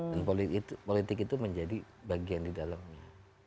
dan politik itu menjadi bagian di dalamnya